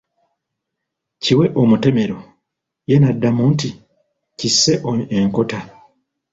Kiwe omutemero, ye n'addamu nti, kisse enkota.